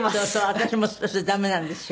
私もそれダメなんですよ